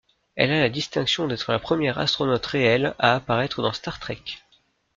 Elle a la distinction d'être la première astronaute réelle à apparaître dans Star Trek.